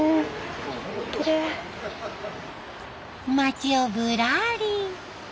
町をぶらり。